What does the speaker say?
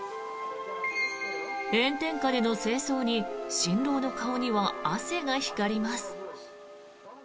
炎天下での正装に新郎の顔には汗が光ります。